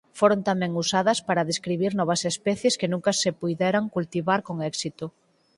Foron tamén usadas para describir novas especies que nunca se puideran cultivar con éxito.